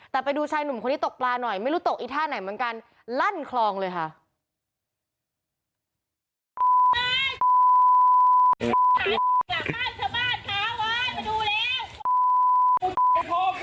แต่ไปดูชายหนุ่มคนนี้ตกปลาหน่อยไม่รู้ตกอีท่าไหนเหมือนกันลั่นคลองเลยค่ะ